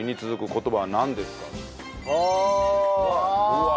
うわ。